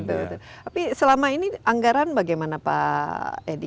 tapi selama ini anggaran bagaimana pak edi